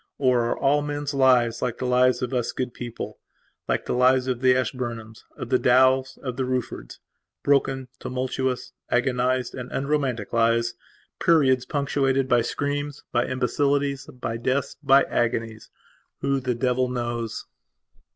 Or are all men's lives like the lives of us good peoplelike the lives of the Ashburnhams, of the Dowells, of the Ruffordsbroken, tumultuous, agonized, and unromantic, lives, periods punctuated by screams, by imbecilities, by deaths, by agonies? Who the devil knows?